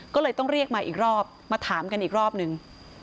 ก็เลยต้องเรียกมาอีกรอบมาถามกันอีกรอบนึง